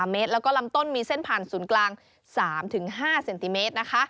เมตรแล้วก็ลำต้นมีเส้นผ่านศูนย์กลาง๓๕เซนติเมตรนะคะ